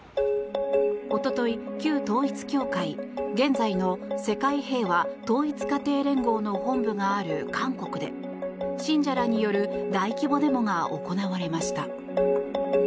一昨日、旧統一教会現在の世界平和統一家庭連合の本部がある韓国で、信者らによる大規模デモが行われました。